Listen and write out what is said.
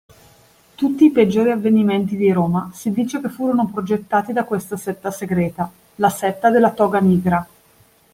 Tutti i peggiori avvenimenti di Roma si dice che furono progettati da questa setta segreta, la setta delle Toga Nigra.